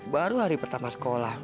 baru hari pertama sekolah